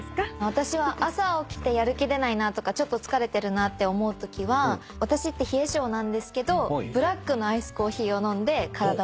私は朝起きてやる気出ないなとかちょっと疲れてるなって思うときは私って冷え性なんですけどブラックのアイスコーヒーを飲んで体をしゃきっとさせます。